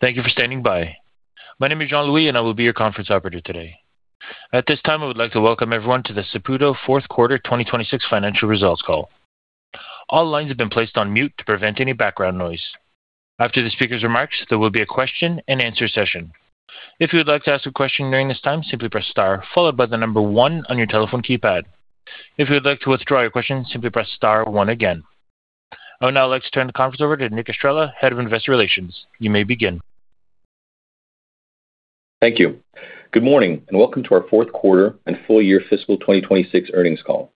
Thank you for standing by. My name is John Louis and I will be your conference operator today. At this time, I would like to welcome everyone to the Saputo fourth quarter 2026 financial results call. All lines have been placed on mute to prevent any background noise. After the speaker's remarks, there will be a question and answer session. If you would like to ask a question during this time, simply press star followed by the number one on your telephone keypad. If you would like to withdraw your question, simply press star one again. I would now like to turn the conference over to Nicholas Estrela, Head of Investor Relations. You may begin. Thank you. Good morning and welcome to our fourth quarter and full year fiscal 2026 earnings call.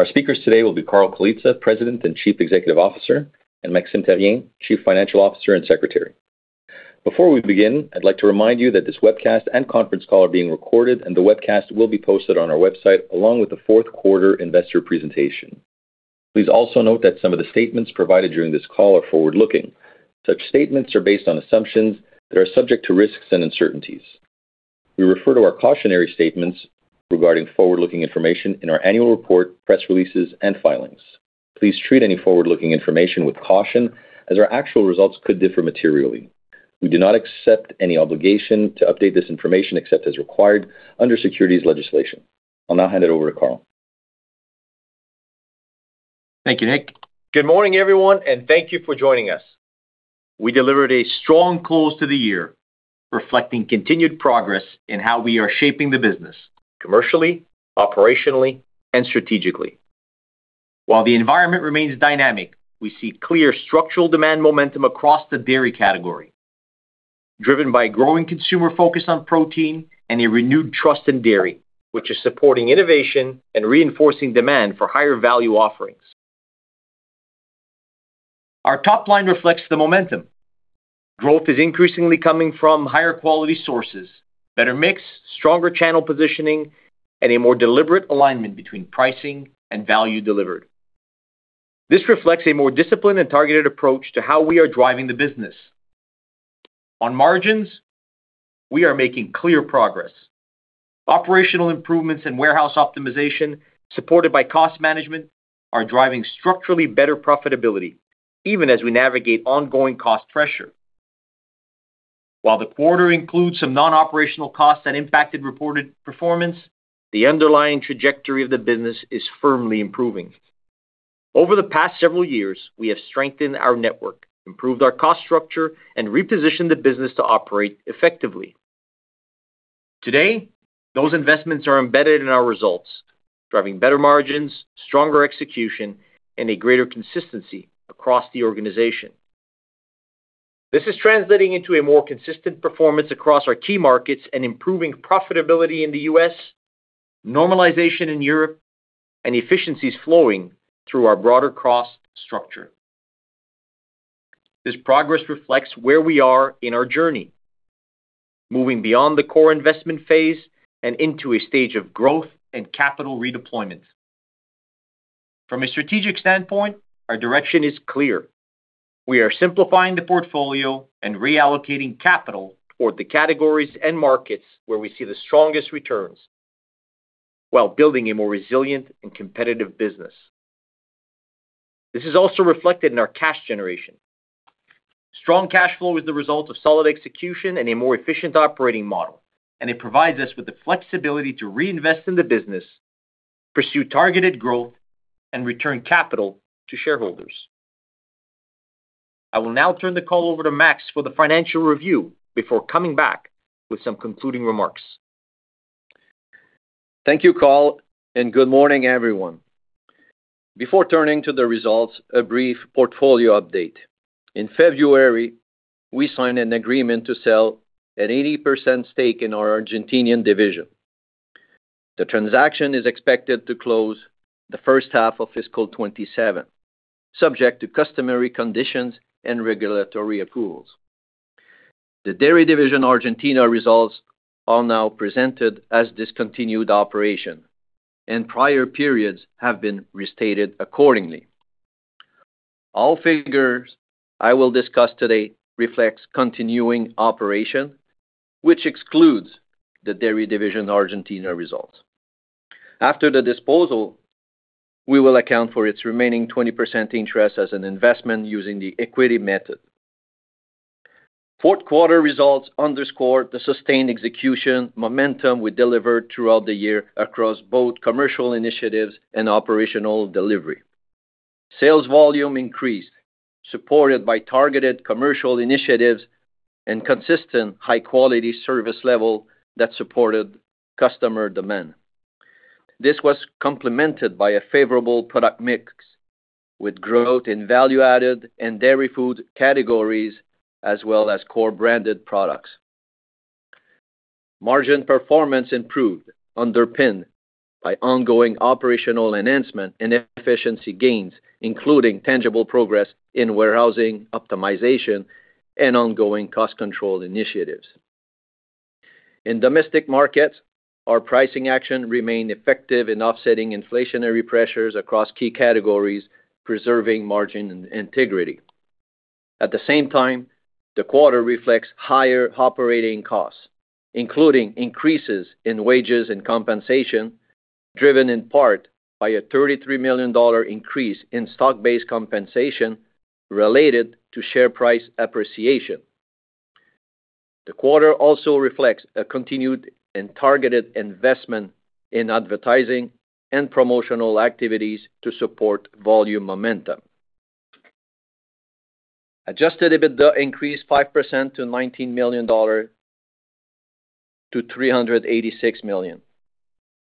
Our speakers today will be Carl Colizza, President and Chief Executive Officer, and Maxime Therrien, Chief Financial Officer and Secretary. Before we begin, I'd like to remind you that this webcast and conference call are being recorded and the webcast will be posted on our website along with the fourth quarter investor presentation. Please also note that some of the statements provided during this call are forward-looking. Such statements are based on assumptions that are subject to risks and uncertainties. We refer to our cautionary statements regarding forward-looking information in our annual report, press releases, and filings. Please treat any forward-looking information with caution as our actual results could differ materially. We do not accept any obligation to update this information, except as required under securities legislation. I'll now hand it over to Carl. Thank you, Nick. Good morning, everyone, and thank you for joining us. We delivered a strong close to the year, reflecting continued progress in how we are shaping the business commercially, operationally, and strategically. While the environment remains dynamic, we see clear structural demand momentum across the dairy category, driven by a growing consumer focus on protein and a renewed trust in dairy, which is supporting innovation and reinforcing demand for higher value offerings. Our top line reflects the momentum. Growth is increasingly coming from higher quality sources, better mix, stronger channel positioning, and a more deliberate alignment between pricing and value delivered. This reflects a more disciplined and targeted approach to how we are driving the business. On margins, we are making clear progress. Operational improvements and warehouse optimization, supported by cost management, are driving structurally better profitability, even as we navigate ongoing cost pressure. While the quarter includes some non-operational costs that impacted reported performance, the underlying trajectory of the business is firmly improving. Over the past several years, we have strengthened our network, improved our cost structure, and repositioned the business to operate effectively. Today, those investments are embedded in our results, driving better margins, stronger execution, and a greater consistency across the organization. This is translating into a more consistent performance across our key markets and improving profitability in the U.S., normalization in Europe, and efficiencies flowing through our broader cost structure. This progress reflects where we are in our journey, moving beyond the core investment phase and into a stage of growth and capital redeployment. From a strategic standpoint, our direction is clear. We are simplifying the portfolio and reallocating capital toward the categories and markets where we see the strongest returns, while building a more resilient and competitive business. This is also reflected in our cash generation. Strong cash flow is the result of solid execution and a more efficient operating model, and it provides us with the flexibility to reinvest in the business, pursue targeted growth, and return capital to shareholders. I will now turn the call over to Maxime for the financial review before coming back with some concluding remarks. Thank you, Carl, and good morning, everyone. Before turning to the results, a brief portfolio update. In February, we signed an agreement to sell an 80% stake in our Dairy Division Argentina. The transaction is expected to close the first half of fiscal 2027, subject to customary conditions and regulatory approvals. The Dairy Division Argentina results are now presented as discontinued operation, and prior periods have been restated accordingly. All figures I will discuss today reflects continuing operation, which excludes the Dairy Division Argentina results. After the disposal, we will account for its remaining 20% interest as an investment using the equity method. Fourth quarter results underscore the sustained execution momentum we delivered throughout the year across both commercial initiatives and operational delivery. Sales volume increased, supported by targeted commercial initiatives and consistent high-quality service level that supported customer demand. This was complemented by a favorable product mix with growth in value-added and dairy food categories, as well as core branded products. Margin performance improved, underpinned by ongoing operational enhancement and efficiency gains, including tangible progress in warehousing optimization and ongoing cost control initiatives. In domestic markets, our pricing action remained effective in offsetting inflationary pressures across key categories, preserving margin integrity. At the same time, the quarter reflects higher operating costs, including increases in wages and compensation. Driven in part by a 33 million dollar increase in stock-based compensation related to share price appreciation. The quarter also reflects a continued and targeted investment in advertising and promotional activities to support volume momentum. Adjusted EBITDA increased 5% to 19 million-386 million dollars.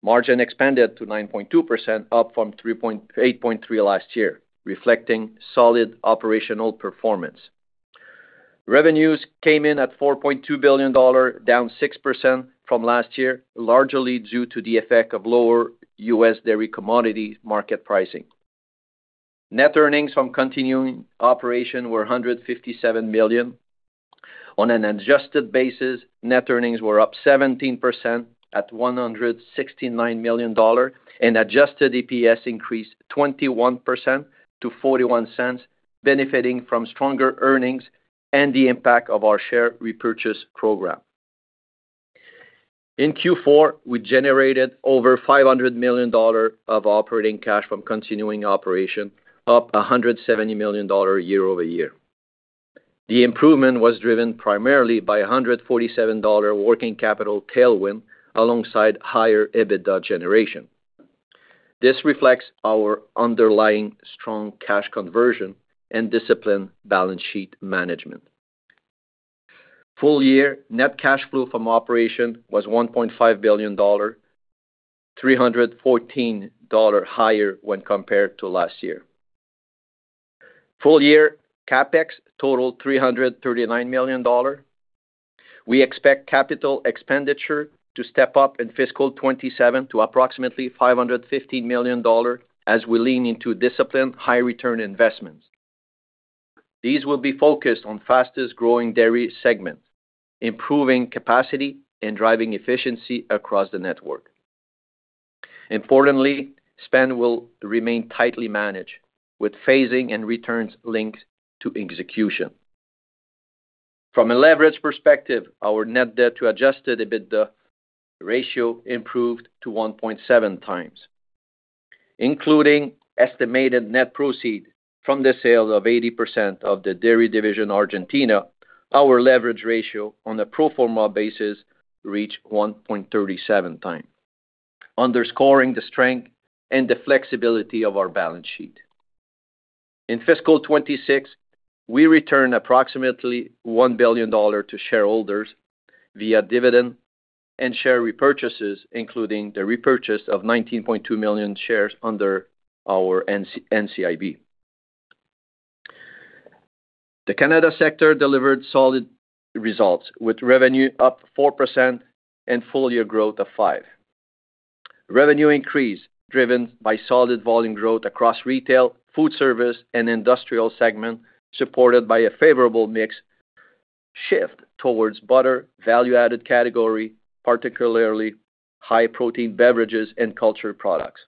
Margin expanded to 9.2%, up from 8.3% last year, reflecting solid operational performance. Revenues came in at 4.2 billion dollar, down 6% from last year, largely due to the effect of lower U.S. dairy commodity market pricing. Net earnings from continuing operation were 157 million. On an adjusted basis, net earnings were up 17% at 169 million dollar and adjusted EPS increased 21% to 0.41, benefiting from stronger earnings and the impact of our share repurchase program. In Q4, we generated over 500 million dollars of operating cash from continuing operation, up 170 million dollars year-over-year. The improvement was driven primarily by 147 dollar working capital tailwind alongside higher EBITDA generation. This reflects our underlying strong cash conversion and disciplined balance sheet management. Full-year net cash flow from operation was 1.5 billion dollar, 314 dollar higher when compared to last year. Full-year CapEx totaled CAD 339 million. We expect capital expenditure to step up in fiscal 2027 to approximately 550 million dollars as we lean into disciplined high-return investments. These will be focused on fastest-growing dairy segments, improving capacity and driving efficiency across the network. Importantly, spend will remain tightly managed with phasing and returns linked to execution. From a leverage perspective, our net debt to adjusted EBITDA ratio improved to 1.7 times. Including estimated net proceed from the sale of 80% of the Dairy Division (Argentina), our leverage ratio on a pro forma basis reached 1.37 times, underscoring the strength and the flexibility of our balance sheet. In fiscal 2026, we returned approximately 1 billion dollars to shareholders via dividend and share repurchases, including the repurchase of 19.2 million shares under our NCIB. The Canada sector delivered solid results, with revenue up 4% and full-year growth of 5%. Revenue increase driven by solid volume growth across retail, food service, and industrial segment, supported by a favorable mix shift towards butter, value-added category, particularly high-protein beverages and cultured products.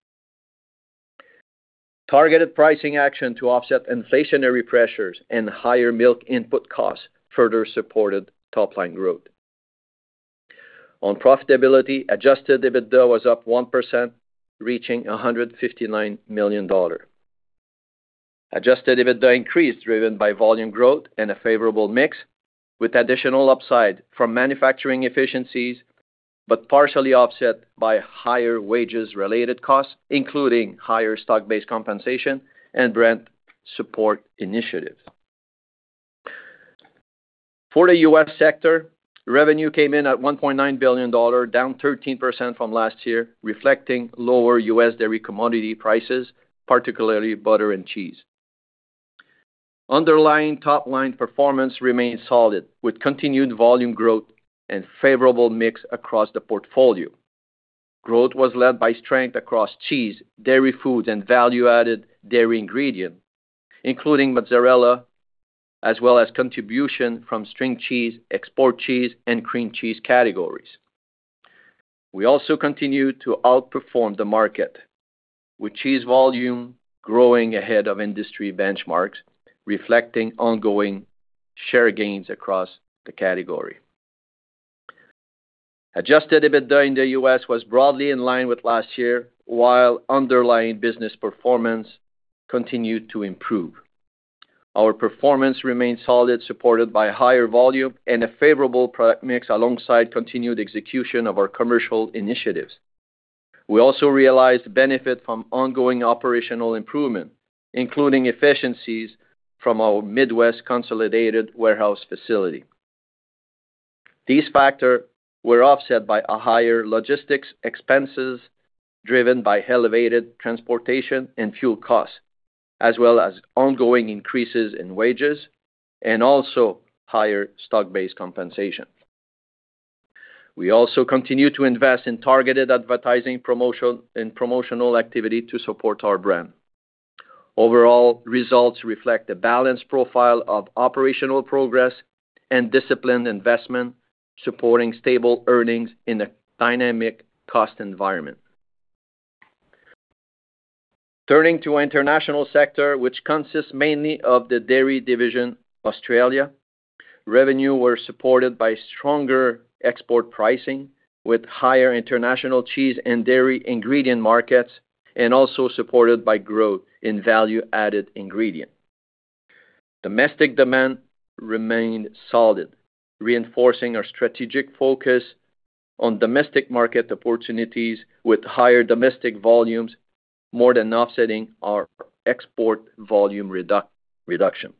Targeted pricing action to offset inflationary pressures and higher milk input costs further supported top-line growth. On profitability, adjusted EBITDA was up 1%, reaching 159 million dollars. Adjusted EBITDA increased, driven by volume growth and a favorable mix, with additional upside from manufacturing efficiencies, but partially offset by higher wages-related costs, including higher stock-based compensation and brand support initiatives. For the U.S. sector, revenue came in at 1.9 billion dollars, down 13% from last year, reflecting lower U.S. dairy commodity prices, particularly butter and cheese. Underlying top-line performance remains solid with continued volume growth and favorable mix across the portfolio. Growth was led by strength across cheese, dairy foods, and value-added dairy ingredient, including mozzarella, as well as contribution from string cheese, export cheese, and cream cheese categories. We also continue to outperform the market, with cheese volume growing ahead of industry benchmarks, reflecting ongoing share gains across the category. Adjusted EBITDA in the U.S. was broadly in line with last year while underlying business performance continued to improve. Our performance remained solid, supported by higher volume and a favorable product mix alongside continued execution of our commercial initiatives. We also realized benefit from ongoing operational improvement, including efficiencies from our Midwest consolidated warehouse facility. These factors were offset by higher logistics expenses driven by elevated transportation and fuel costs, as well as ongoing increases in wages and also higher stock-based compensation. We also continue to invest in targeted advertising and promotional activity to support our brand. Overall results reflect a balanced profile of operational progress and disciplined investment, supporting stable earnings in a dynamic cost environment. Turning to our international sector, which consists mainly of the Dairy Division Australia, revenue were supported by stronger export pricing with higher international cheese and dairy ingredient markets, and also supported by growth in value-added ingredient. Domestic demand remained solid, reinforcing our strategic focus on domestic market opportunities with higher domestic volumes, more than offsetting our export volume reduction.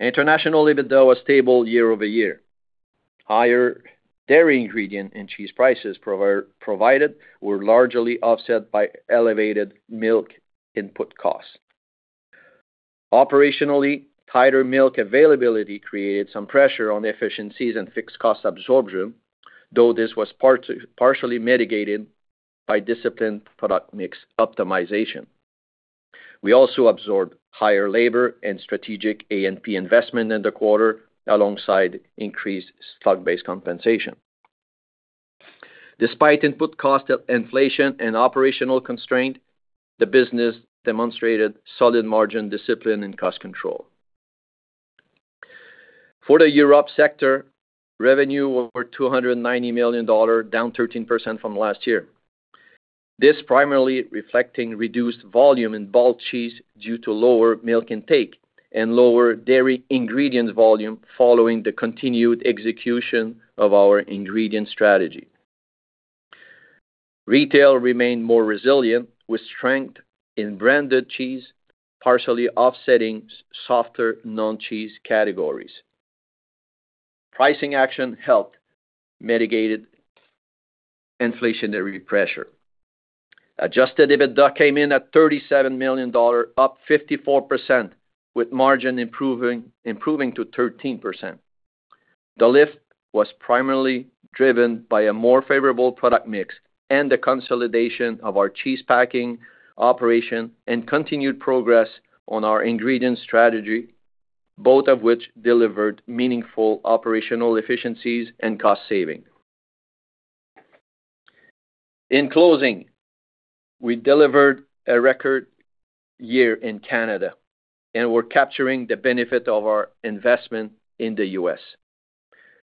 International EBITDA was stable year-over-year. Higher dairy ingredient and cheese prices were largely offset by elevated milk input costs. Operationally, tighter milk availability created some pressure on efficiencies and fixed cost absorption, though this was partially mitigated by disciplined product mix optimization. We also absorbed higher labor and strategic A&P investment in the quarter, alongside increased stock-based compensation. Despite input cost inflation and operational constraint, the business demonstrated solid margin discipline and cost control. For the Europe sector, revenue was over 290 million dollars, down 13% from last year. This primarily reflecting reduced volume in bulk cheese due to lower milk intake and lower dairy ingredient volume following the continued execution of our ingredient strategy. Retail remained more resilient, with strength in branded cheese partially offsetting softer non-cheese categories. Pricing action helped mitigated inflationary pressure. Adjusted EBITDA came in at 37 million dollars, up 54%, with margin improving to 13%. The lift was primarily driven by a more favorable product mix and the consolidation of our cheese packing operation and continued progress on our ingredient strategy, both of which delivered meaningful operational efficiencies and cost-saving. In closing, we delivered a record year in Canada and we're capturing the benefit of our investment in the U.S.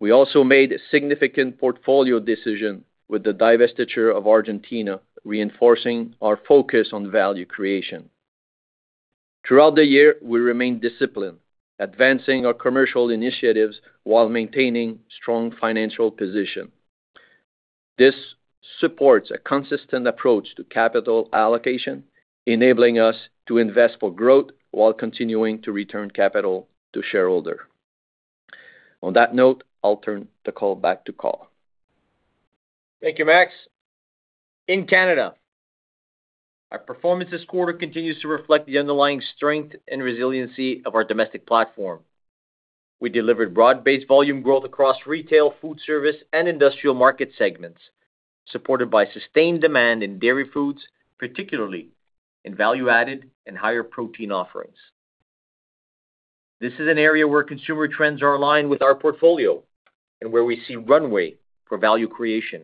We also made a significant portfolio decision with the divestiture of Argentina, reinforcing our focus on value creation. Throughout the year, we remained disciplined, advancing our commercial initiatives while maintaining strong financial position. This supports a consistent approach to capital allocation, enabling us to invest for growth while continuing to return capital to shareholder. On that note, I'll turn the call back to Carl. Thank you, Max. In Canada, our performance this quarter continues to reflect the underlying strength and resiliency of our domestic platform. We delivered broad-based volume growth across retail, food service, and industrial market segments, supported by sustained demand in dairy foods, particularly in value-added and higher protein offerings. This is an area where consumer trends are aligned with our portfolio and where we see runway for value creation.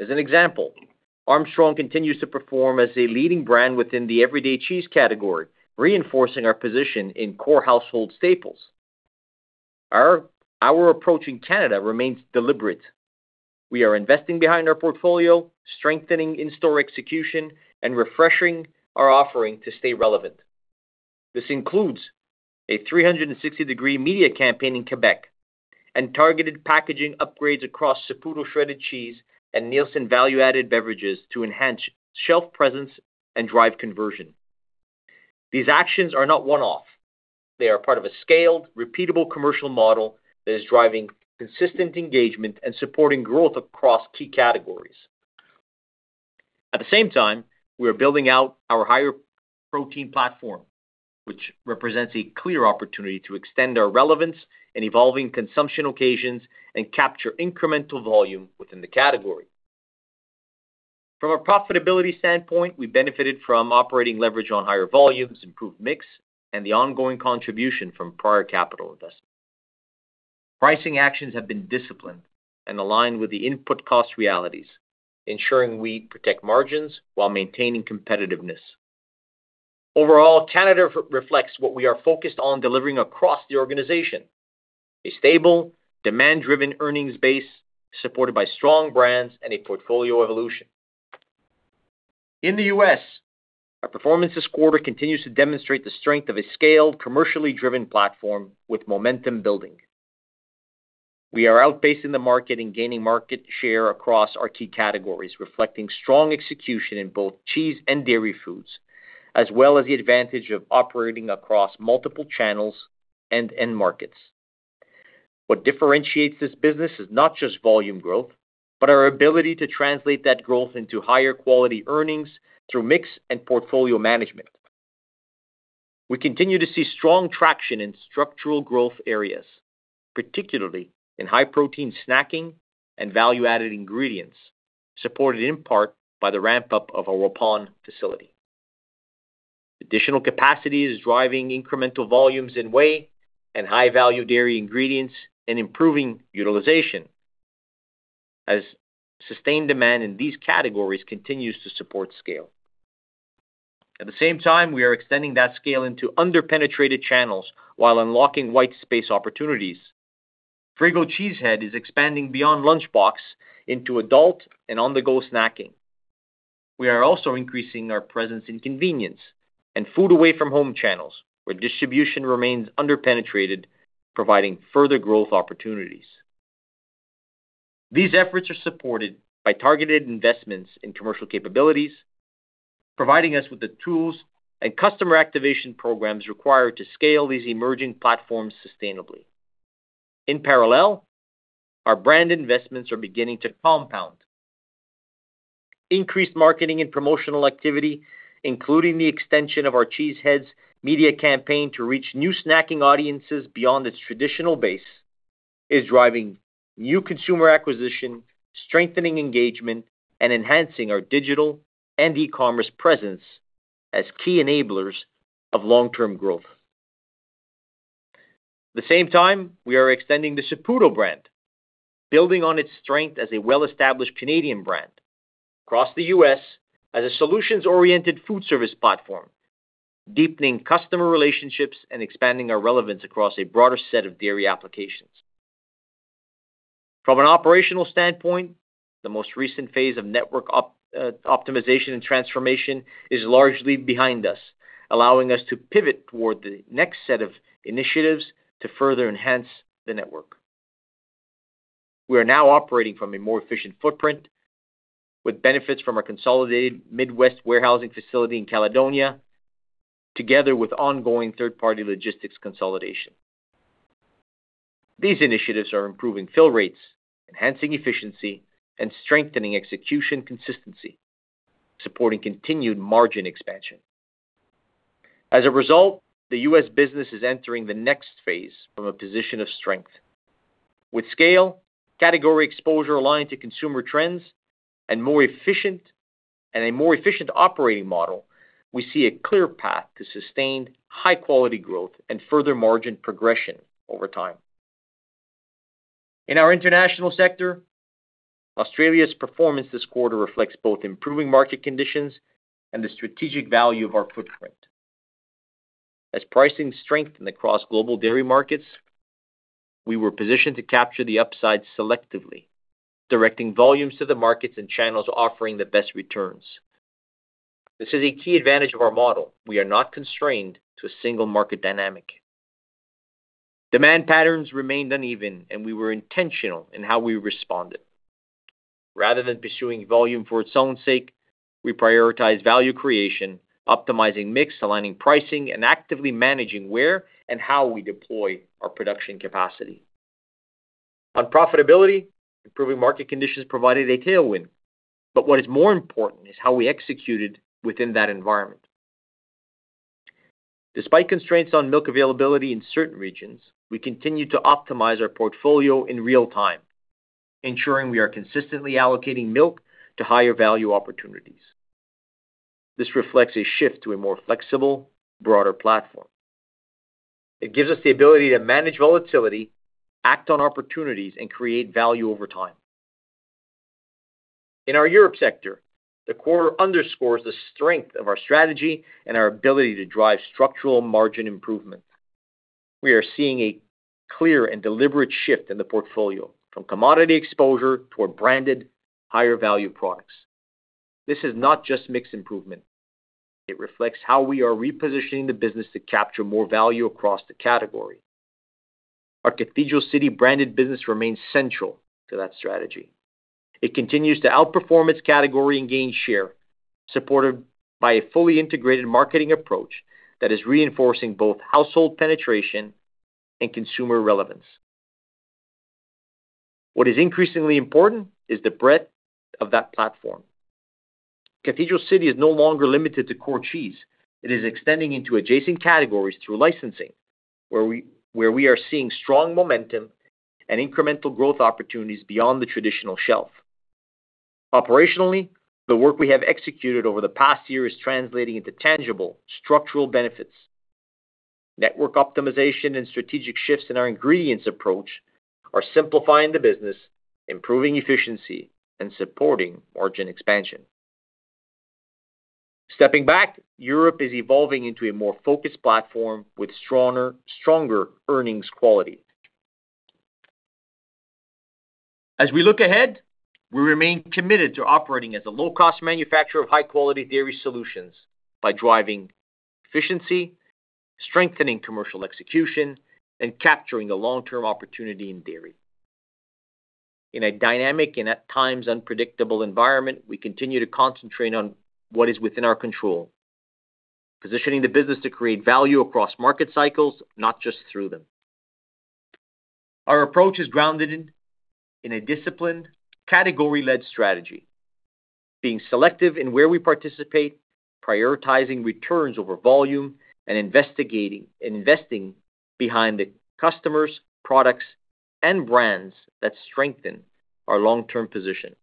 As an example, Armstrong continues to perform as a leading brand within the everyday cheese category, reinforcing our position in core household staples. Our approach in Canada remains deliberate. We are investing behind our portfolio, strengthening in-store execution, and refreshing our offering to stay relevant. This includes a 360-degree media campaign in Quebec and targeted packaging upgrades across Saputo shredded cheese and Neilson value-added beverages to enhance shelf presence and drive conversion. These actions are not one-off. They are part of a scaled, repeatable commercial model that is driving consistent engagement and supporting growth across key categories. At the same time, we are building out our higher protein platform, which represents a clear opportunity to extend our relevance in evolving consumption occasions and capture incremental volume within the category. From a profitability standpoint, we benefited from operating leverage on higher volumes, improved mix, and the ongoing contribution from prior capital investments. Pricing actions have been disciplined and aligned with the input cost realities, ensuring we protect margins while maintaining competitiveness. Overall, Canada reflects what we are focused on delivering across the organization: a stable, demand-driven earnings base supported by strong brands and a portfolio evolution. In the U.S., our performance this quarter continues to demonstrate the strength of a scaled, commercially driven platform with momentum building. We are outpacing the market and gaining market share across our key categories, reflecting strong execution in both cheese and dairy foods, as well as the advantage of operating across multiple channels and end markets. What differentiates this business is not just volume growth, but our ability to translate that growth into higher quality earnings through mix and portfolio management. We continue to see strong traction in structural growth areas, particularly in high-protein snacking and value-added ingredients, supported in part by the ramp-up of our Waupun facility. Additional capacity is driving incremental volumes in whey and high-value dairy ingredients and improving utilization as sustained demand in these categories continues to support scale. At the same time, we are extending that scale into under-penetrated channels while unlocking white space opportunities. Frigo Cheese Heads is expanding beyond lunchbox into adult and on-the-go snacking. We are also increasing our presence in convenience and food away from home channels where distribution remains under-penetrated, providing further growth opportunities. These efforts are supported by targeted investments in commercial capabilities, providing us with the tools and customer activation programs required to scale these emerging platforms sustainably. In parallel, our brand investments are beginning to compound. Increased marketing and promotional activity, including the extension of our Cheese Heads media campaign to reach new snacking audiences beyond its traditional base, is driving new consumer acquisition, strengthening engagement, and enhancing our digital and e-commerce presence as key enablers of long-term growth. At the same time, we are extending the Saputo brand, building on its strength as a well-established Canadian brand across the U.S. as a solutions-oriented food service platform, deepening customer relationships and expanding our relevance across a broader set of dairy applications. From an operational standpoint, the most recent phase of network optimization and transformation is largely behind us, allowing us to pivot toward the next set of initiatives to further enhance the network. We are now operating from a more efficient footprint with benefits from our consolidated Midwest warehousing facility in Caledonia, together with ongoing third-party logistics consolidation. These initiatives are improving fill rates, enhancing efficiency, and strengthening execution consistency, supporting continued margin expansion. As a result, the U.S. business is entering the next phase from a position of strength. With scale, category exposure aligned to consumer trends, and a more efficient operating model, we see a clear path to sustained, high-quality growth and further margin progression over time. In our International Sector, Australia's performance this quarter reflects both improving market conditions and the strategic value of our footprint. As pricing strengthened across global dairy markets, we were positioned to capture the upside selectively, directing volumes to the markets and channels offering the best returns. This is a key advantage of our model. We are not constrained to a single market dynamic. Demand patterns remained uneven, and we were intentional in how we responded. Rather than pursuing volume for its own sake, we prioritize value creation, optimizing mix, aligning pricing, and actively managing where and how we deploy our production capacity. On profitability, improving market conditions provided a tailwind, but what is more important is how we executed within that environment. Despite constraints on milk availability in certain regions, we continue to optimize our portfolio in real time, ensuring we are consistently allocating milk to higher-value opportunities. This reflects a shift to a more flexible, broader platform. It gives us the ability to manage volatility, act on opportunities, and create value over time. In our Europe sector, the quarter underscores the strength of our strategy and our ability to drive structural margin improvement. We are seeing a clear and deliberate shift in the portfolio from commodity exposure toward branded, higher-value products. This is not just mix improvement. It reflects how we are repositioning the business to capture more value across the category. Our Cathedral City branded business remains central to that strategy. It continues to outperform its category and gain share, supported by a fully integrated marketing approach that is reinforcing both household penetration and consumer relevance. What is increasingly important is the breadth of that platform. Cathedral City is no longer limited to core cheese. It is extending into adjacent categories through licensing, where we are seeing strong momentum and incremental growth opportunities beyond the traditional shelf. Operationally, the work we have executed over the past year is translating into tangible structural benefits. Network optimization and strategic shifts in our ingredients approach are simplifying the business, improving efficiency, and supporting margin expansion. Stepping back, Europe is evolving into a more focused platform with stronger earnings quality. As we look ahead, we remain committed to operating as a low-cost manufacturer of high-quality dairy solutions by driving efficiency, strengthening commercial execution, and capturing the long-term opportunity in dairy. In a dynamic and at times unpredictable environment, we continue to concentrate on what is within our control, positioning the business to create value across market cycles, not just through them. Our approach is grounded in a disciplined, category-led strategy, being selective in where we participate, prioritizing returns over volume, and investing behind the customers, products, and brands that strengthen our long-term position.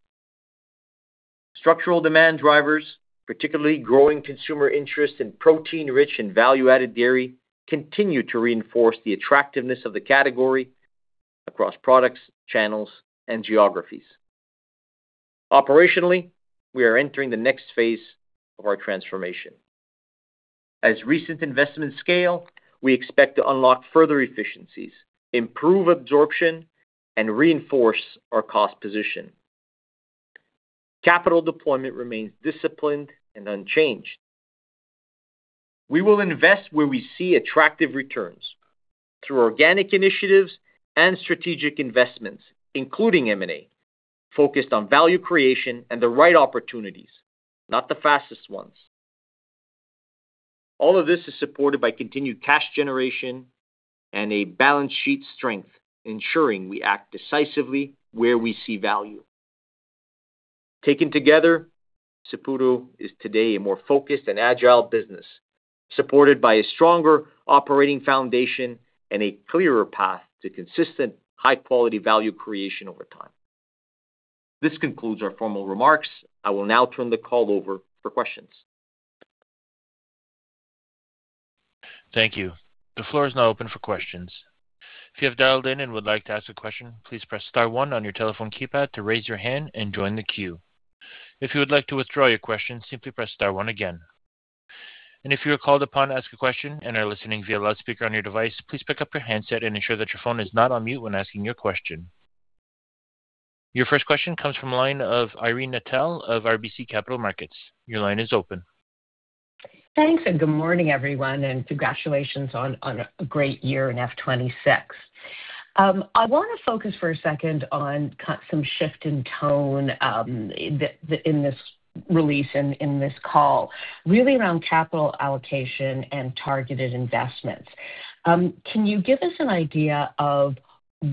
Structural demand drivers, particularly growing consumer interest in protein-rich and value-added dairy, continue to reinforce the attractiveness of the category across products, channels, and geographies. Operationally, we are entering the next phase of our transformation. As recent investments scale, we expect to unlock further efficiencies, improve absorption, and reinforce our cost position. Capital deployment remains disciplined and unchanged. We will invest where we see attractive returns through organic initiatives and strategic investments, including M&A, focused on value creation and the right opportunities, not the fastest ones. All of this is supported by continued cash generation and a balance sheet strength, ensuring we act decisively where we see value. Taken together, Saputo is today a more focused and agile business, supported by a stronger operating foundation and a clearer path to consistent, high-quality value creation over time. This concludes our formal remarks. I will now turn the call over for questions. Thank you. The floor is now open for questions. If you have dialed in and would like to ask a question, please press star one on your telephone keypad to raise your hand and join the queue. If you would like to withdraw your question, simply press star one again. If you are called upon to ask a question and are listening via loudspeaker on your device, please pick up your handset and ensure that your phone is not on mute when asking your question. Your first question comes from the line of Irene Nattel of RBC Capital Markets. Your line is open. Thanks, and good morning, everyone, and congratulations on a great year in FY 2026. I want to focus for a second on some shift in tone in this release and in this call, really around capital allocation and targeted investments. Can you give us an idea of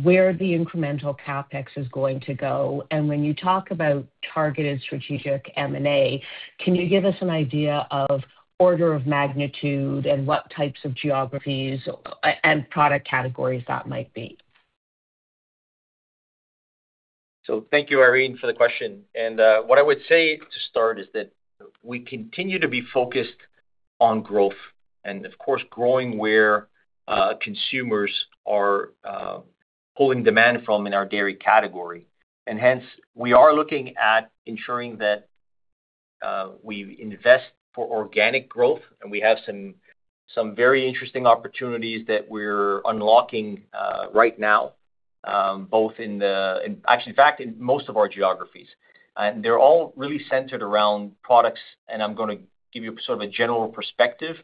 where the incremental CapEx is going to go? When you talk about targeted strategic M&A, can you give us an idea of order of magnitude and what types of geographies and product categories that might be? Thank you, Irene, for the question. What I would say to start is that we continue to be focused on growth and, of course, growing where consumers are pulling demand from in our dairy category. Hence, we are looking at ensuring that we invest for organic growth, and we have some very interesting opportunities that we're unlocking right now, in fact, in most of our geographies. They're all really centered around products, and I'm going to give you sort of a general perspective.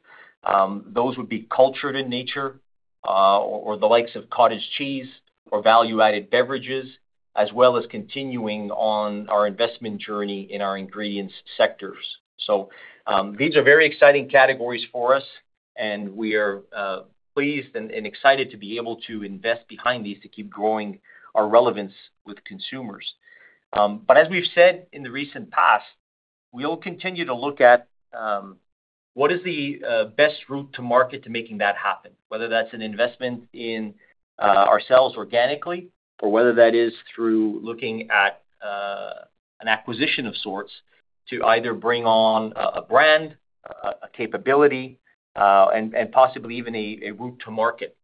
Those would be cultured in nature or the likes of cottage cheese or value-added beverages, as well as continuing on our investment journey in our ingredients sectors. These are very exciting categories for us, and we are pleased and excited to be able to invest behind these to keep growing our relevance with consumers. As we've said in the recent past, we'll continue to look at what is the best route to market to making that happen, whether that's an investment in ourselves organically or whether that is through looking at an acquisition of sorts to either bring on a brand, a capability, and possibly even a route to market.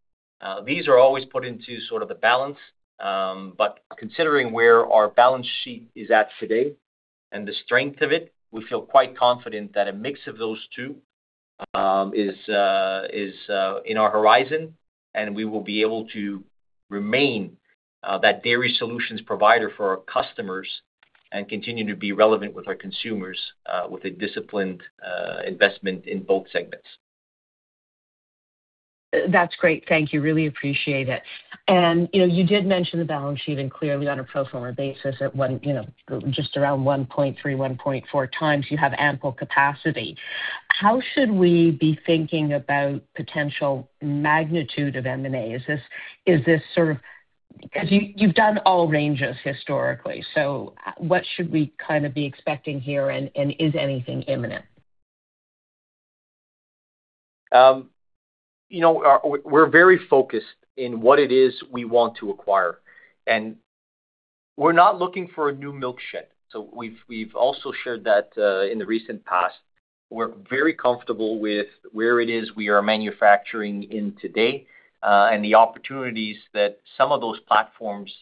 These are always put into sort of the balance, but considering where our balance sheet is at today and the strength of it, we feel quite confident that a mix of those two is in our horizon, and we will be able to remain that dairy solutions provider for our customers and continue to be relevant with our consumers with a disciplined investment in both segments. That's great. Thank you. Really appreciate it. You did mention the balance sheet, and clearly on a pro forma basis at just around 1.3, 1.4x, you have ample capacity. How should we be thinking about potential magnitude of M&A? You've done all ranges historically, so what should we kind of be expecting here, and is anything imminent? We're very focused in what it is we want to acquire, and we're not looking for a new milk shed. We've also shared that in the recent past. We're very comfortable with where it is we are manufacturing in today and the opportunities that some of those platforms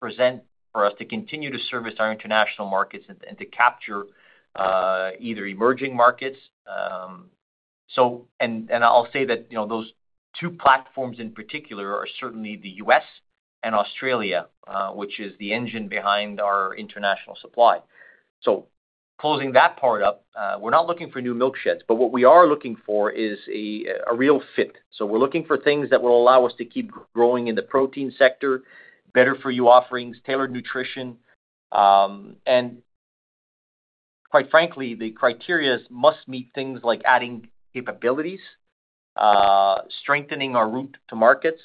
present for us to continue to service our international markets and to capture either emerging markets. I'll say that those two platforms in particular are certainly the U.S. and Australia, which is the engine behind our international supply. Closing that part up, we're not looking for new milk sheds, but what we are looking for is a real fit. We're looking for things that will allow us to keep growing in the protein sector, better-for-you offerings, tailored nutrition. quite frankly, the criteria must meet things like adding capabilities, strengthening our route to markets,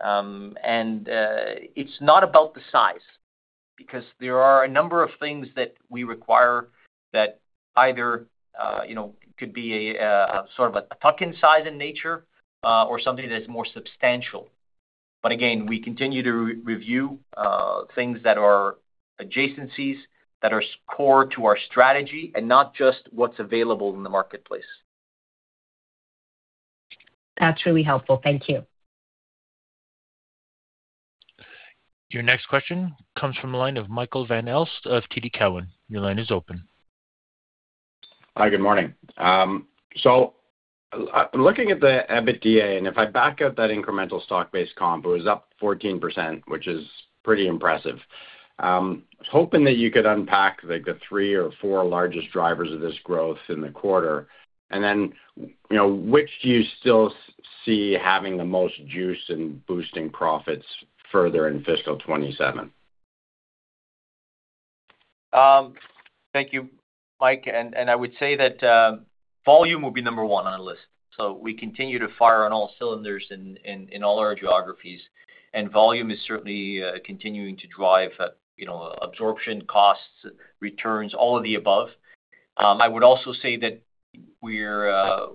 and it's not about the size, because there are a number of things that we require that either could be a sort of a tuck-in size in nature or something that's more substantial. again, we continue to review things that are adjacencies, that are core to our strategy, and not just what's available in the marketplace. That's really helpful. Thank you. Your next question comes from the line of Michael Van Aelst of TD Cowen. Your line is open. Hi, good morning. Looking at the EBITDA, and if I back out that incremental stock-based comp, it was up 14%, which is pretty impressive. I was hoping that you could unpack the three or four largest drivers of this growth in the quarter, which do you still see having the most juice and boosting profits further in fiscal 2027? Thank you, Mike, and I would say that volume will be number one on our list. We continue to fire on all cylinders in all our geographies, and volume is certainly continuing to drive absorption costs, returns, all of the above. I would also say that Q4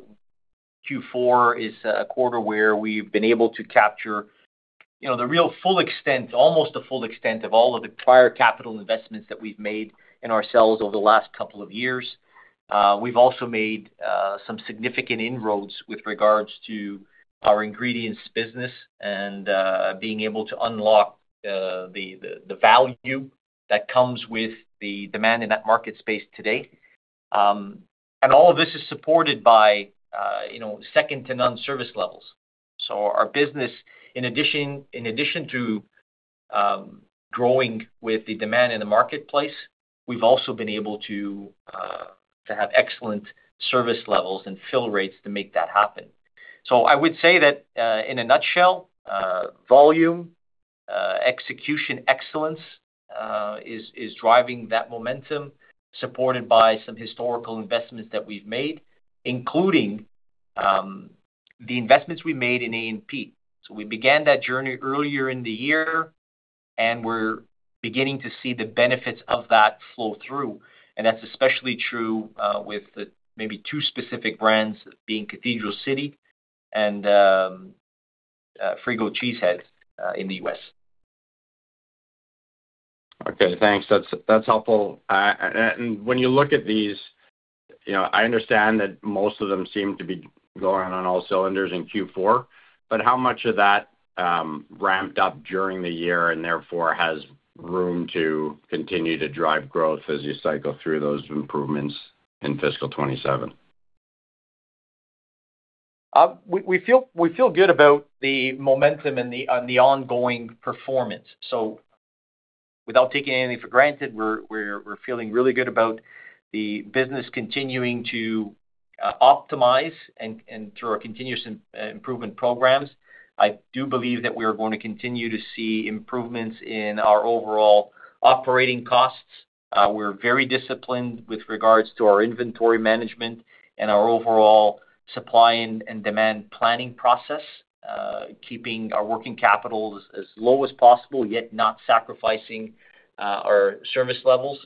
is a quarter where we've been able to capture the real full extent, almost the full extent of all of the prior capital investments that we've made in ourselves over the last couple of years. We've also made some significant inroads with regards to our ingredients business and being able to unlock the value that comes with the demand in that market space today. All of this is supported by second-to-none service levels. Our business, in addition to growing with the demand in the marketplace, we've also been able to have excellent service levels and fill rates to make that happen. I would say that, in a nutshell, volume, execution excellence, is driving that momentum, supported by some historical investments that we've made, including the investments we made in A&P. We began that journey earlier in the year, and we're beginning to see the benefits of that flow through. That's especially true with maybe two specific brands, being Cathedral City and Frigo Cheese Heads in the U.S. Okay, thanks. That's helpful. When you look at these, I understand that most of them seem to be going on all cylinders in Q4, but how much of that ramped up during the year and therefore has room to continue to drive growth as you cycle through those improvements in fiscal 2027? We feel good about the momentum and the ongoing performance. Without taking anything for granted, we're feeling really good about the business continuing to optimize and through our continuous improvement programs. I do believe that we are going to continue to see improvements in our overall operating costs. We're very disciplined with regards to our inventory management and our overall supply and demand planning process, keeping our working capital as low as possible, yet not sacrificing our service levels.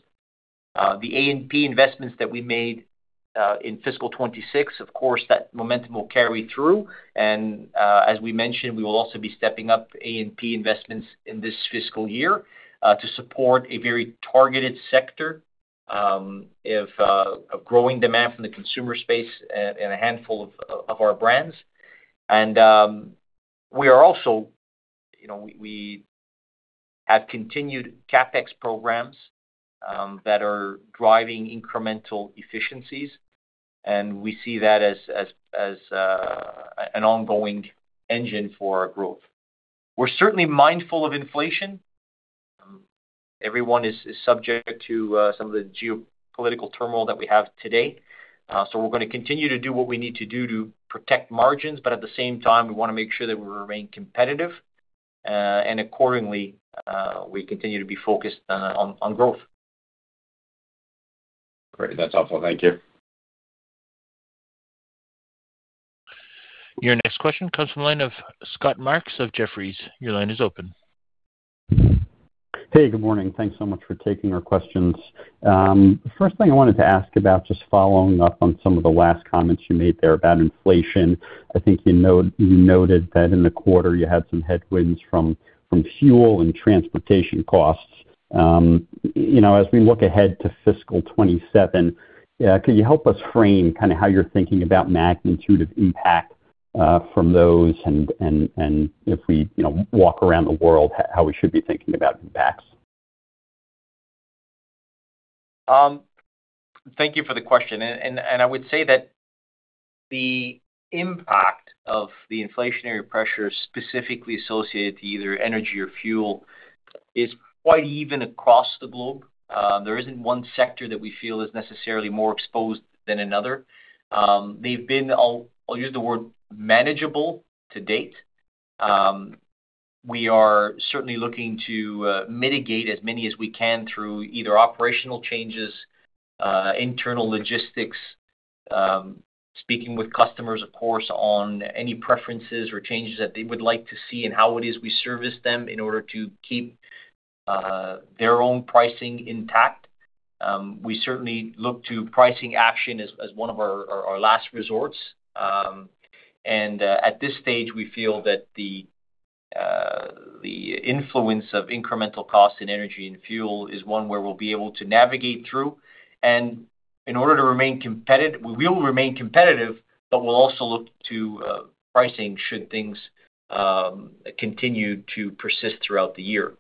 The A&P investments that we made in fiscal 2026, of course, that momentum will carry through. As we mentioned, we will also be stepping up A&P investments in this fiscal year to support a very targeted sector of growing demand from the consumer space and a handful of our brands. We have continued CapEx programs that are driving incremental efficiencies, and we see that as an ongoing engine for our growth. We're certainly mindful of inflation. Everyone is subject to some of the geopolitical turmoil that we have today. We're going to continue to do what we need to do to protect margins, but at the same time, we want to make sure that we remain competitive, and accordingly, we continue to be focused on growth. Great. That's helpful. Thank you. Your next question comes from the line of Scott Marks of Jefferies. Your line is open. Hey, good morning. Thanks so much for taking our questions. First thing I wanted to ask about, just following up on some of the last comments you made there about inflation. I think you noted that in the quarter you had some headwinds from fuel and transportation costs. As we look ahead to fiscal 2027, could you help us frame how you're thinking about magnitude of impact from those and if we walk around the world, how we should be thinking about impacts? Thank you for the question. I would say that the impact of the inflationary pressures specifically associated to either energy or fuel is quite even across the globe. There isn't one sector that we feel is necessarily more exposed than another. They've been, I'll use the word, manageable to date. We are certainly looking to mitigate as many as we can through either operational changes, internal logistics, speaking with customers, of course, on any preferences or changes that they would like to see and how it is we service them in order to keep their own pricing intact. We certainly look to pricing action as one of our last resorts. At this stage, we feel that the influence of incremental cost in energy and fuel is one where we'll be able to navigate through. We will remain competitive, but we'll also look to pricing should things continue to persist throughout the year.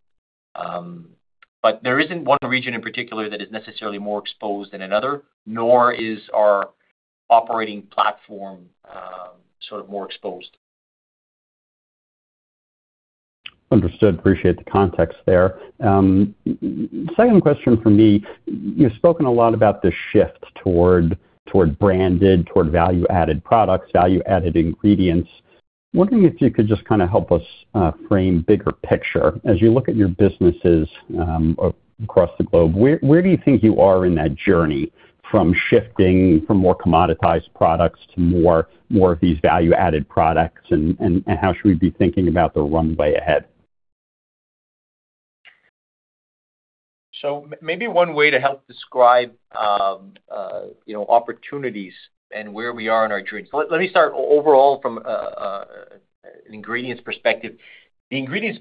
There isn't one region in particular that is necessarily more exposed than another, nor is our operating platform more exposed. Understood. Appreciate the context there. Second question from me, you've spoken a lot about the shift toward branded, toward value-added products, value-added ingredients. Wondering if you could just kind of help us frame bigger picture? As you look at your businesses across the globe, where do you think you are in that journey from shifting from more commoditized products to more of these value-added products? How should we be thinking about the runway ahead? Maybe one way to help describe opportunities and where we are on our journey. The ingredients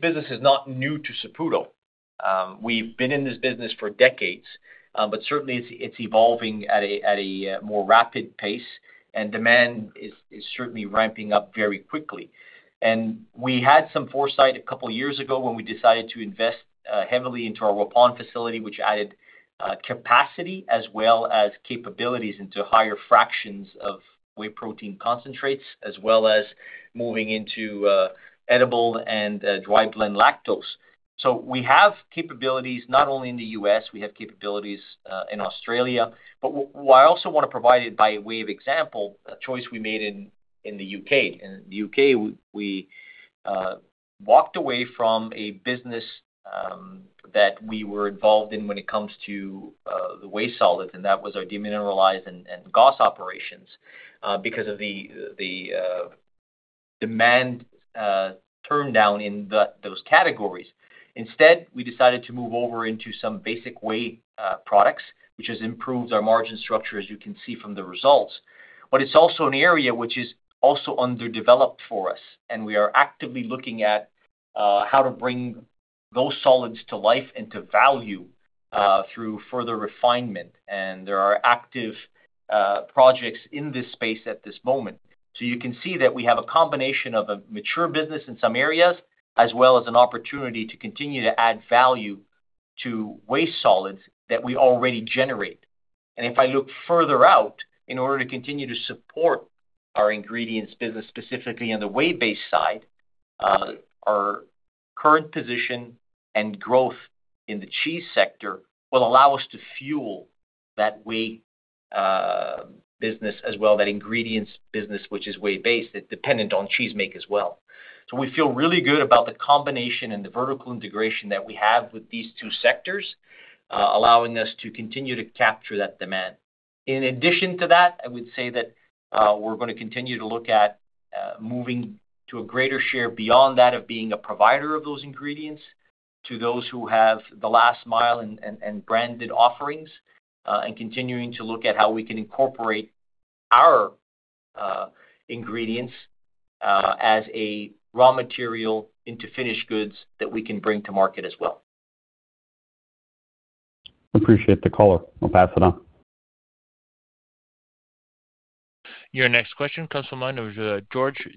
business is not new to Saputo. We've been in this business for decades, but certainly it's evolving at a more rapid pace and demand is certainly ramping up very quickly. We had some foresight a couple of years ago when we decided to invest heavily into our Waupun facility, which added capacity as well as capabilities into higher fractions of whey protein concentrates, as well as moving into edible and dry blend lactose. We have capabilities not only in the U.S., we have capabilities in Australia. What I also want to provide by way of example, a choice we made in the U.K. In the U.K., we walked away from a business that we were involved in when it comes to the whey solids, and that was our demineralized and GOS operations, because of the demand turndown in those categories. Instead, we decided to move over into some basic whey products, which has improved our margin structure, as you can see from the results. It's also an area which is also underdeveloped for us, and we are actively looking at how to bring those solids to life and to value through further refinement. There are active projects in this space at this moment. You can see that we have a combination of a mature business in some areas, as well as an opportunity to continue to add value to whey solids that we already generate. If I look further out, in order to continue to support our ingredients business, specifically on the whey-based side, our current position and growth in the cheese sector will allow us to fuel that whey business as well, that ingredients business, which is whey-based, that is dependent on cheese make as well. We feel really good about the combination and the vertical integration that we have with these two sectors, allowing us to continue to capture that demand. In addition to that, I would say that we're going to continue to look at moving to a greater share beyond that of being a provider of those ingredients to those who have the last mile and branded offerings, and continuing to look at how we can incorporate our ingredients as a raw material into finished goods that we can bring to market as well. Appreciate the color. I'll pass it on. Your next question comes from the line of Marc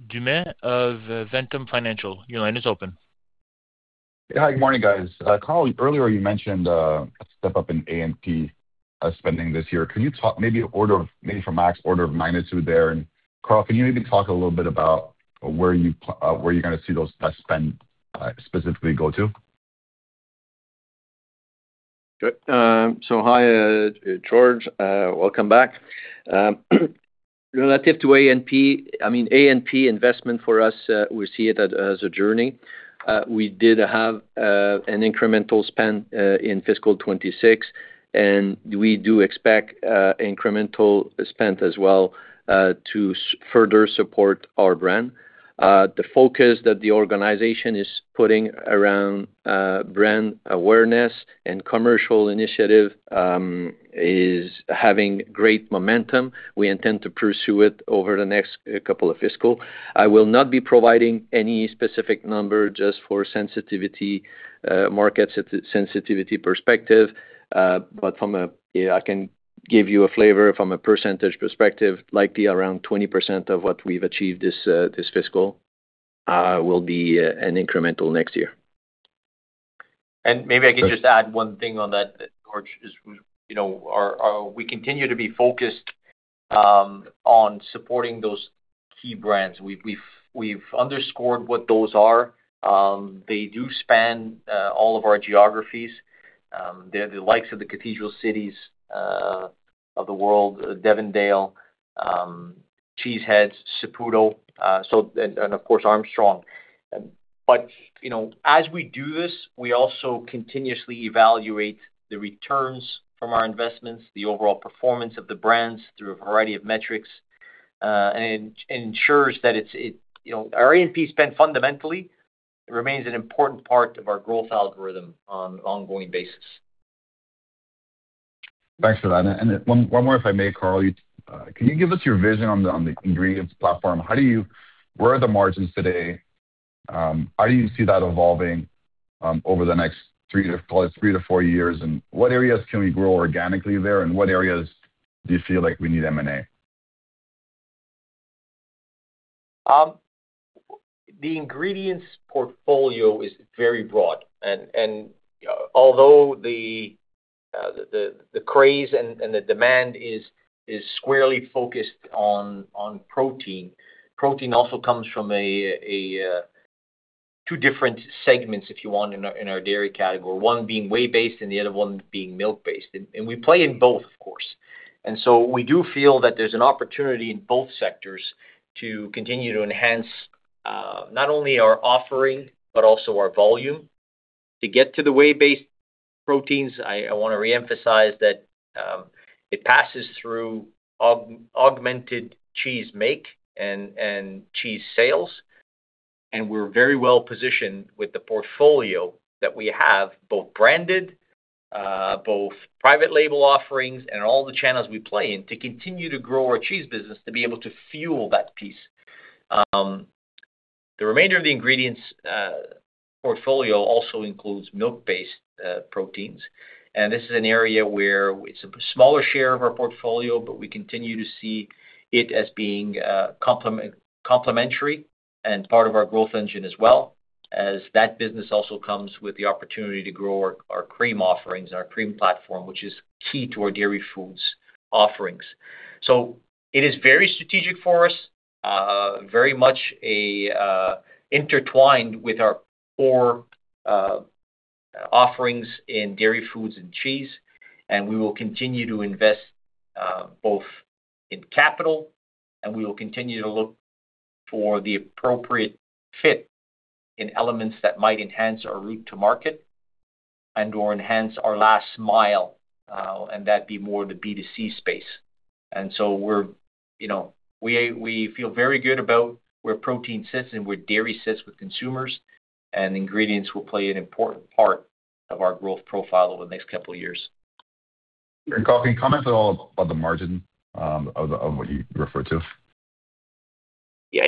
Dumais of Ventum Financial. Your line is open. Hi, good morning, guys. Carl, earlier you mentioned a step up in A&P spending this year. Maybe for Max, order of magnitude there. Carl, can you maybe talk a little bit about where you're going to see those spend specifically go to? Hi, Marc. Welcome back. Relative to A&P investment for us, we see it as a journey. We did have an incremental spend in fiscal 2026, and we do expect incremental spend as well to further support our brand. The focus that the organization is putting around brand awareness and commercial initiative is having great momentum. We intend to pursue it over the next couple of fiscal. I will not be providing any specific number just for market sensitivity perspective. I can give you a flavor from a percentage perspective, likely around 20% of what we've achieved this fiscal will be an incremental next year. Maybe I can just add one thing on that, Marc, is we continue to be focused on supporting those key brands. We've underscored what those are. They do span all of our geographies. They're the likes of the Cathedral City of the world, Devondale, Frigo Cheese Heads, Saputo, and of course, Armstrong. As we do this, we also continuously evaluate the returns from our investments, the overall performance of the brands through a variety of metrics, and ensures that our A&P spend fundamentally. It remains an important part of our growth algorithm on an ongoing basis. Thanks for that. One more if I may, Carl? Can you give us your vision on the ingredients platform? Where are the margins today? How do you see that evolving over the next three to four years, and what areas can we grow organically there, and what areas do you feel like we need M&A? The ingredients portfolio is very broad, and although the craze and the demand is squarely focused on protein also comes from two different segments, if you want, in our dairy category, one being whey-based and the other one being milk-based. We play in both, of course. We do feel that there's an opportunity in both sectors to continue to enhance, not only our offering, but also our volume. To get to the whey-based proteins, I want to re-emphasize that it passes through augmented cheese make and cheese sales, and we're very well-positioned with the portfolio that we have, both branded, both private label offerings, and all the channels we play in to continue to grow our cheese business to be able to fuel that piece. The remainder of the ingredients portfolio also includes milk-based proteins, and this is an area where it's a smaller share of our portfolio, but we continue to see it as being complementary and part of our growth engine as well, as that business also comes with the opportunity to grow our cream offerings and our cream platform, which is key to our dairy foods offerings. It is very strategic for us, very much intertwined with our core offerings in dairy foods and cheese, and we will continue to invest both in capital, and we will continue to look for the appropriate fit in elements that might enhance our route to market and/or enhance our last mile, and that'd be more the B2C space. We feel very good about where protein sits and where dairy sits with consumers, and ingredients will play an important part of our growth profile over the next couple of years. Great. Carl, can you comment at all about the margin of what you referred to? Yeah.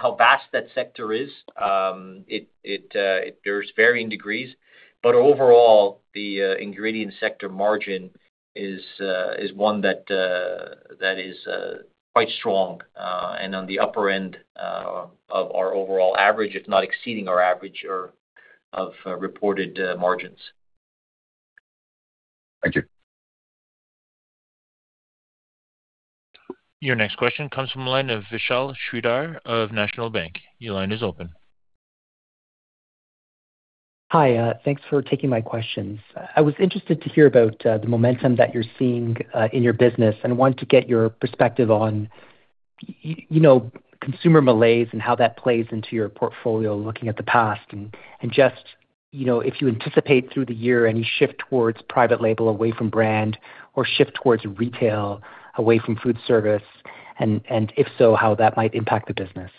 How vast that sector is, there's varying degrees. Overall, the ingredient sector margin is one that is quite strong and on the upper end of our overall average, if not exceeding our average of reported margins. Thank you. Your next question comes from the line of Vishal Shreedhar of National Bank. Your line is open. Hi. Thanks for taking my questions. I was interested to hear about the momentum that you're seeing in your business and wanted to get your perspective on consumer malaise and how that plays into your portfolio looking at the past. Just if you anticipate through the year any shift towards private label away from brand or shift towards retail away from food service, and if so, how that might impact the business.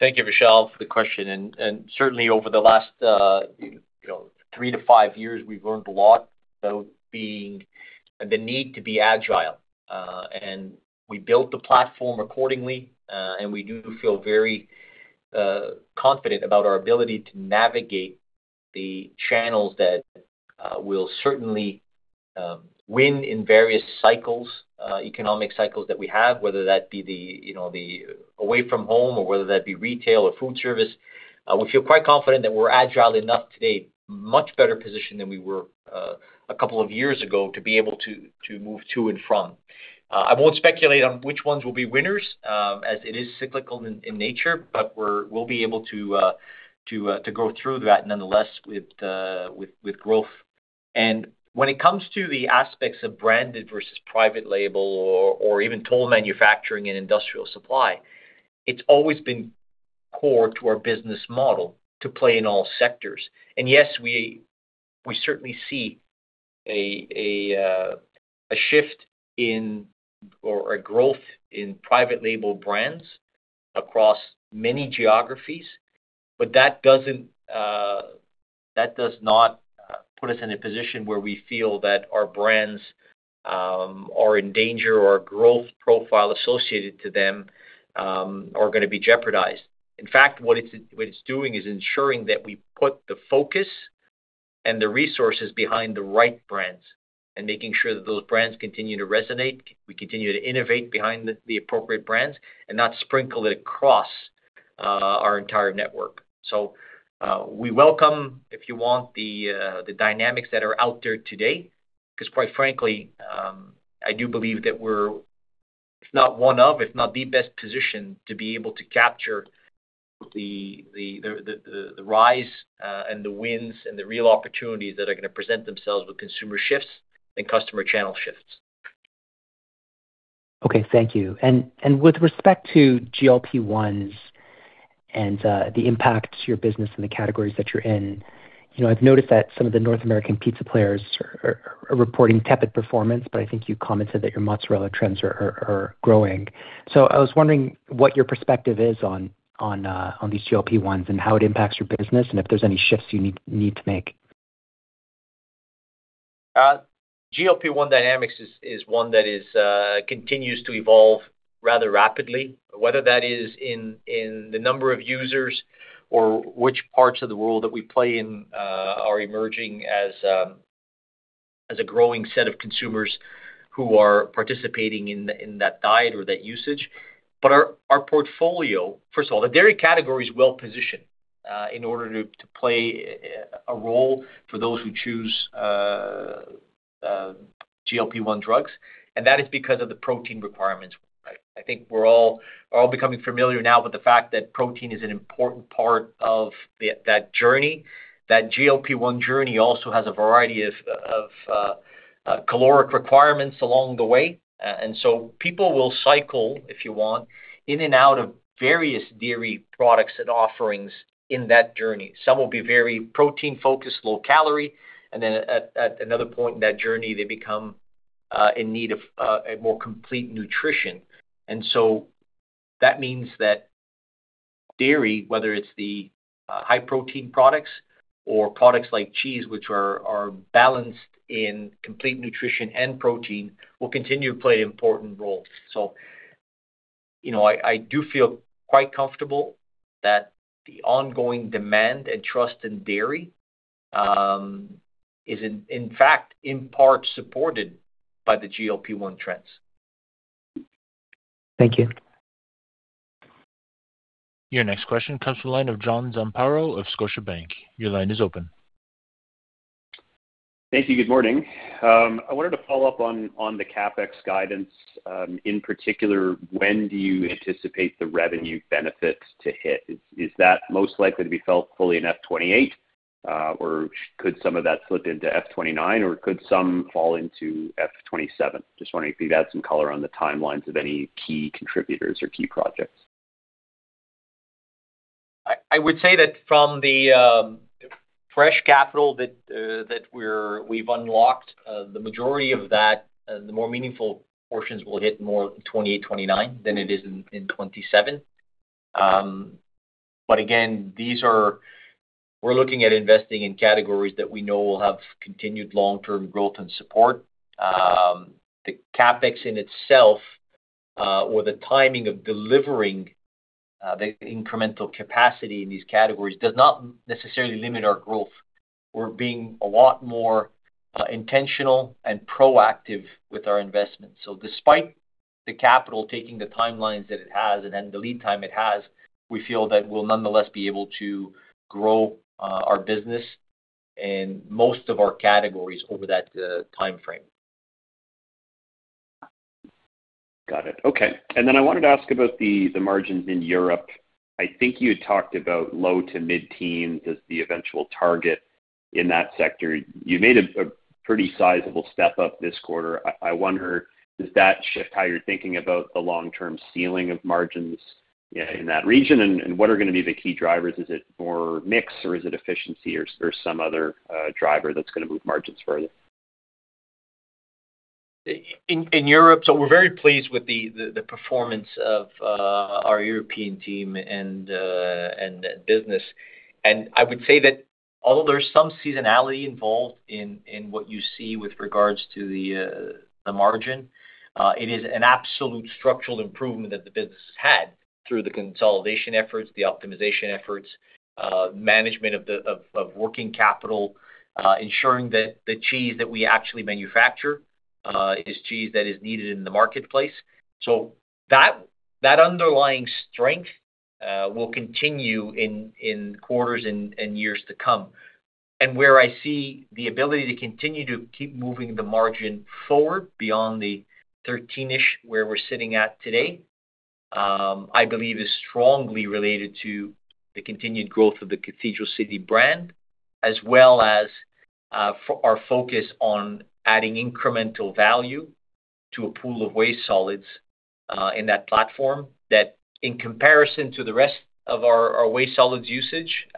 Thank you, Vishal, for the question. Certainly over the last three to five years, we've learned a lot about the need to be agile. We built the platform accordingly, and we do feel very confident about our ability to navigate the channels that will certainly win in various cycles, economic cycles that we have, whether that be the away from home or whether that be retail or food service. We feel quite confident that we're agile enough today, much better positioned than we were a couple of years ago to be able to move to and from. I won't speculate on which ones will be winners, as it is cyclical in nature, but we'll be able to go through that nonetheless with growth. When it comes to the aspects of branded versus private label or even toll manufacturing and industrial supply, it's always been core to our business model to play in all sectors. Yes, we certainly see a shift in or a growth in private label brands across many geographies, but that does not put us in a position where we feel that our brands are in danger or our growth profile associated to them are going to be jeopardized. In fact, what it's doing is ensuring that we put the focus and the resources behind the right brands and making sure that those brands continue to resonate. We continue to innovate behind the appropriate brands and not sprinkle it across our entire network. We welcome, if you want, the dynamics that are out there today, because quite frankly, I do believe that we're, if not one of, if not the best positioned to be able to capture the rise and the wins and the real opportunities that are going to present themselves with consumer shifts and customer channel shifts. Okay. Thank you. With respect to GLP-1s and the impact to your business and the categories that you're in. I've noticed that some of the North American pizza players are reporting tepid performance, but I think you commented that your mozzarella trends are growing. I was wondering what your perspective is on these GLP-1s and how it impacts your business and if there's any shifts you need to make. GLP-1 dynamics is one that continues to evolve rather rapidly, whether that is in the number of users or which parts of the world that we play in are emerging as a growing set of consumers who are participating in that diet or that usage. Our portfolio, first of all, the dairy category is well-positioned in order to play a role for those who choose GLP-1 drugs. That is because of the protein requirements. I think we're all becoming familiar now with the fact that protein is an important part of that journey. That GLP-1 journey also has a variety of caloric requirements along the way. People will cycle, if you want, in and out of various dairy products and offerings in that journey. Some will be very protein-focused, low calorie, and then at another point in that journey, they become in need of a more complete nutrition. That means that dairy, whether it's the high protein products or products like cheese, which are balanced in complete nutrition and protein, will continue to play an important role. I do feel quite comfortable that the ongoing demand and trust in dairy is in fact in part supported by the GLP-1 trends. Thank you. Your next question comes from the line of John Zamparo of Scotiabank. Your line is open. Thank you. Good morning. I wanted to follow up on the CapEx guidance. In particular, when do you anticipate the revenue benefits to hit? Is that most likely to be felt fully in F28, or could some of that slip into F29 or could some fall into F27? Just wondering if you'd add some color on the timelines of any key contributors or key projects. I would say that from the fresh capital that we've unlocked, the majority of that, the more meaningful portions will hit more in 2028, 2029 than it is in 2027. Again, we're looking at investing in categories that we know will have continued long-term growth and support. The CapEx in itself, or the timing of delivering the incremental capacity in these categories does not necessarily limit our growth. We're being a lot more intentional and proactive with our investments. Despite the capital taking the timelines that it has and then the lead time it has, we feel that we'll nonetheless be able to grow our business in most of our categories over that timeframe. Got it. Okay. I wanted to ask about the margins in Europe. I think you had talked about low to mid-teens as the eventual target in that sector. You made a pretty sizable step up this quarter. I wonder, does that shift how you're thinking about the long-term ceiling of margins in that region? What are going to be the key drivers? Is it more mix or is it efficiency or some other driver that's going to move margins further? In Europe, we're very pleased with the performance of our European team and business. I would say that although there's some seasonality involved in what you see with regards to the margin, it is an absolute structural improvement that the business has had through the consolidation efforts, the optimization efforts, management of working capital, ensuring that the cheese that we actually manufacture is cheese that is needed in the marketplace. That underlying strength will continue in quarters and years to come. Where I see the ability to continue to keep moving the margin forward beyond the 13-ish, where we're sitting at today, I believe is strongly related to the continued growth of the Cathedral City brand, as well as our focus on adding incremental value to a pool of whey solids in that platform that, in comparison to the rest of our whey solids usage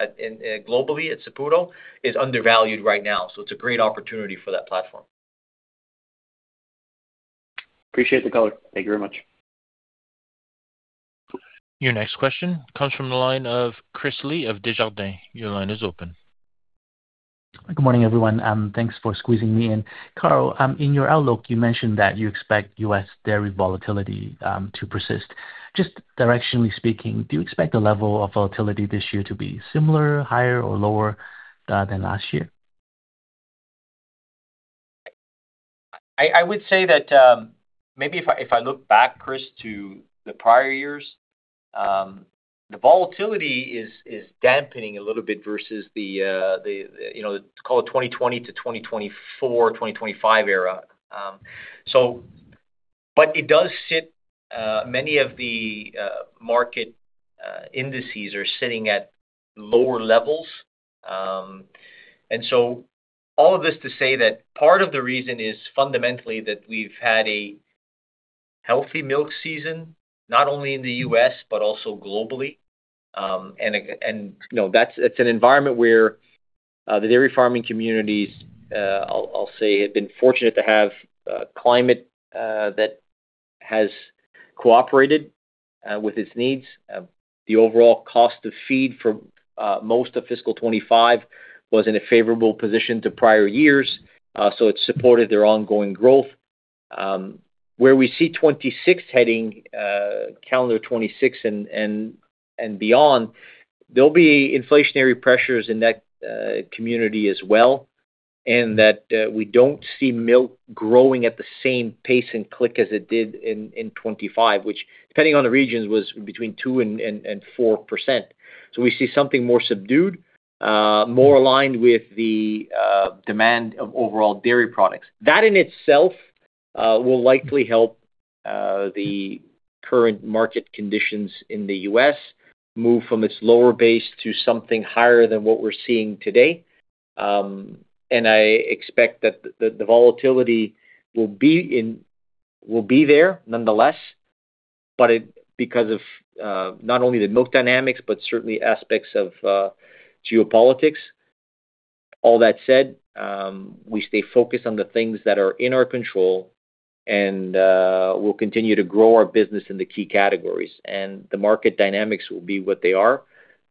globally at Saputo, is undervalued right now. It's a great opportunity for that platform. Appreciate the color. Thank you very much. Your next question comes from the line of Chris Li of Desjardins. Your line is open. Good morning, everyone. Thanks for squeezing me in. Carl, in your outlook, you mentioned that you expect U.S. dairy volatility to persist. Just directionally speaking, do you expect the level of volatility this year to be similar, higher, or lower than last year? I would say that maybe if I look back, Chris, to the prior years, the volatility is dampening a little bit versus the, call it 2020 to 2024, 2025 era. It does sit, many of the market indices are sitting at lower levels. All of this to say that part of the reason is fundamentally that we've had a healthy milk season, not only in the U.S., but also globally. That's an environment where the dairy farming communities, I'll say, have been fortunate to have a climate that has cooperated with its needs. The overall cost of feed for most of fiscal 2025 was in a favorable position to prior years, so it supported their ongoing growth. Where we see calendar 2026 and beyond, there'll be inflationary pressures in that community as well, and that we don't see milk growing at the same pace and click as it did in 2025, which, depending on the regions, was between 2% and 4%. We see something more subdued, more aligned with the demand of overall dairy products. That in itself will likely help the current market conditions in the U.S. move from its lower base to something higher than what we're seeing today. I expect that the volatility will be there nonetheless, but because of not only the milk dynamics, but certainly aspects of geopolitics. All that said, we stay focused on the things that are in our control and we'll continue to grow our business in the key categories. The market dynamics will be what they are,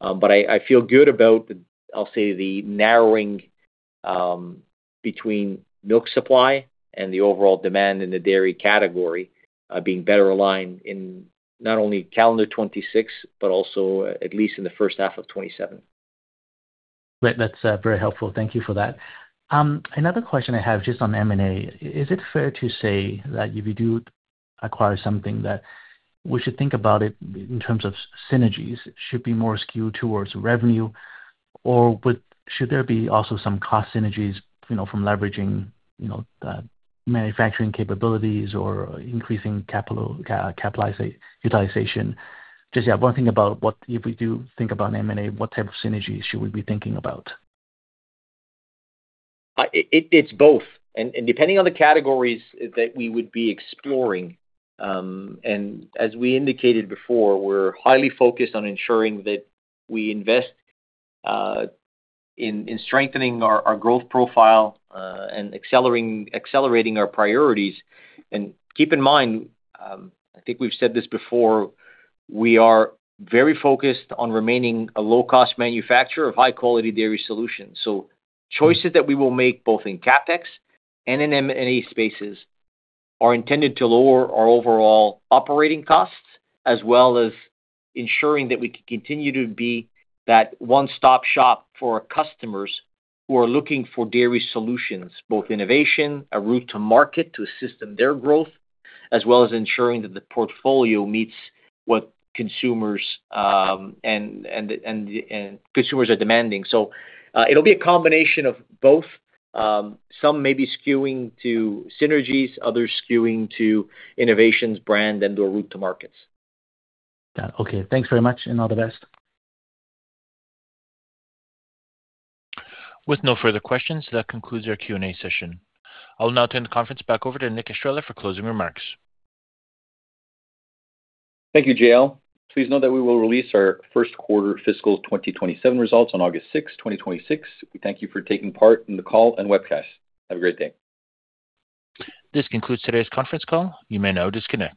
but I feel good about, I'll say, the narrowing between milk supply and the overall demand in the dairy category being better aligned in not only calendar 2026, but also at least in the first half of 2027. Great. That's very helpful. Thank you for that. Another question I have just on M&A. Is it fair to say that if you do acquire something that we should think about it in terms of synergies? Should it be more skewed towards revenue, or should there be also some cost synergies from leveraging the manufacturing capabilities or increasing capital utilization? Just yeah, one thing about if we do think about M&A, what type of synergies should we be thinking about? It's both, depending on the categories that we would be exploring. As we indicated before, we're highly focused on ensuring that we invest in strengthening our growth profile, and accelerating our priorities. Keep in mind, I think we've said this before, we are very focused on remaining a low-cost manufacturer of high-quality dairy solutions. Choices that we will make, both in CapEx and in M&A spaces, are intended to lower our overall operating costs, as well as ensuring that we can continue to be that one-stop shop for our customers who are looking for dairy solutions, both innovation, a route to market to assist in their growth, as well as ensuring that the portfolio meets what consumers are demanding. It'll be a combination of both. Some may be skewing to synergies, others skewing to innovations, brand, and/or route to markets. Got it. Okay. Thanks very much, and all the best. With no further questions, that concludes our Q&A session. I'll now turn the conference back over to Nick Estrela for closing remarks. Thank you, JL. Please note that we will release our first quarter fiscal 2027 results on August 6th, 2026. We thank you for taking part in the call and webcast. Have a great day. This concludes today's conference call. You may now disconnect.